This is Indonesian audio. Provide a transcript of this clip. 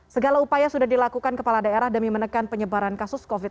segala upaya sudah dilakukan kepala daerah demi menekan penyebaran kasus covid sembilan belas